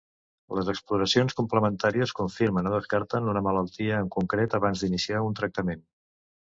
Les exploracions complementàries confirmen o descarten una malaltia en concret, abans d'iniciar un tractament.